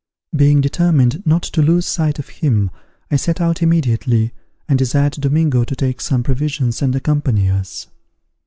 Being determined not to lose sight of him I set out immediately, and desired Domingo to take some provisions and accompany us.